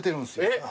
えっ？